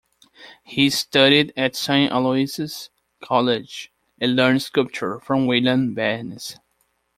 He studied at Saint Aloysius College, and learned sculpture from William Behnes.